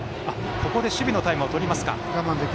ここで守備のタイムを取りますか。